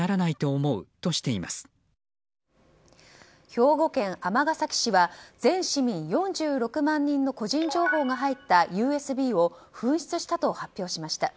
兵庫県尼崎市は全市民４６万人の個人情報が入ったＵＳＢを紛失したと発表しました。